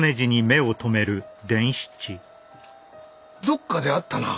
どっかで会ったな。